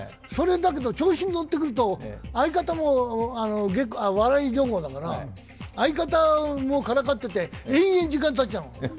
それ、だけど、調子に乗ってくると、相方も笑い上戸だから、相方もからかってて、延々時間たっちゃうの。